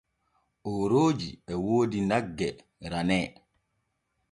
Oorooji e woodi nagge ranee.